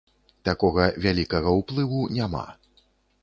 Такога вялікага ўплыву няма.